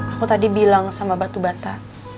aku tadi bilang sama batu bata